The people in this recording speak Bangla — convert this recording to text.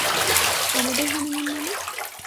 আমাদের হানিমুন মানে?